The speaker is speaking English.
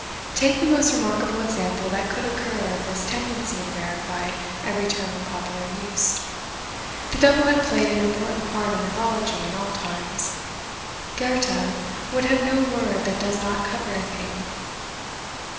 Take the most remarkable example that could occur of this tendency to verify every term in popular use. The Devil had played an important part in mythology in all times. Goethe would have no word that does not cover a thing.